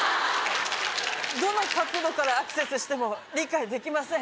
どの角度からアクセスしても理解できません。